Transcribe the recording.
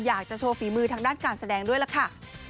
อยากจะโชว์ฝีมือทางด้านการแสดงด้วยล่ะค่ะ